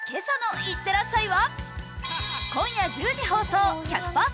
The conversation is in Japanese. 今夜１０時放送「１００％！